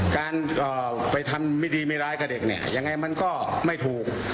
การไปทำไม่ดีไม่ร้ายกับเด็กเนี่ยยังไงมันก็ไม่ถูก